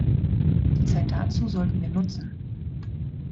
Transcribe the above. Die Zeit dazu sollten wir nutzen.